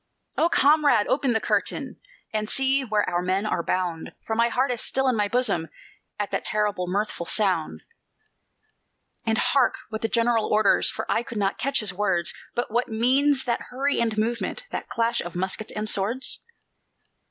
"O comrade, open the curtain, And see where our men are bound, For my heart is still in my bosom At that terrible, mirthful sound. "And hark what the General orders, For I could not catch his words; But what means that hurry and movement, That clash of muskets and swords?"